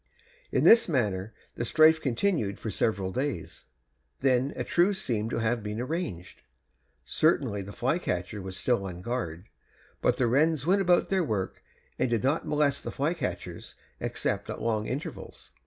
In this manner the strife continued for several days. Then a truce seemed to have been arranged. Certainly the flycatcher was still on guard, but the wrens went about their work and did not molest the flycatchers except at long intervals.